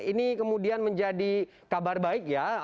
ini kemudian menjadi kabar baik ya